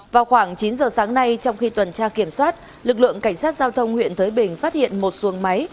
vào khoảng chín giờ sáng nay trong khi tuần tra kiểm soát lực lượng cảnh sát giao thông huyện thới bình phát hiện một xuồng máy